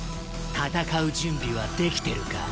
戦う準備はできてるか？